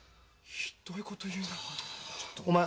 ひっどいこと言うなお前